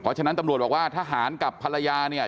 เพราะฉะนั้นตำรวจบอกว่าทหารกับภรรยาเนี่ย